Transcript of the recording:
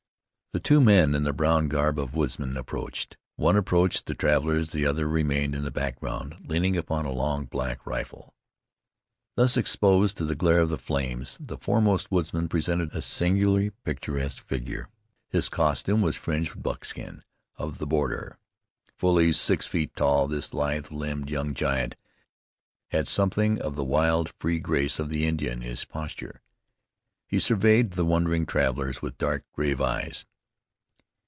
Two men in the brown garb of woodsmen approached. One approached the travelers; the other remained in the background, leaning upon a long, black rifle. Thus exposed to the glare of the flames, the foremost woodsman presented a singularly picturesque figure. His costume was the fringed buckskins of the border. Fully six feet tall, this lithe limbed young giant had something of the wild, free grace of the Indian in his posture. He surveyed the wondering travelers with dark, grave eyes.